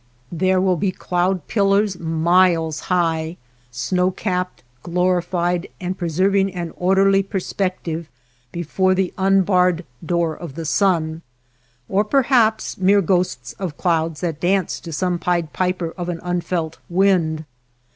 There will be cloud pillars miles high, snow capped, glorified, and preserv ing an orderly perspective before the un barred door of the sun, or perhaps mere ghosts of clouds that dance to some pied piper of an unfelt wind.